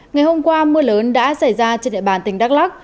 ngày hôm qua mưa lớn đã xảy ra trên địa bàn tỉnh đắk lắc